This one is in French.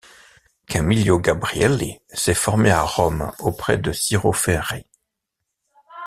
Camillo Gabrielli s'est formé à Rome auprès de Ciro Ferri.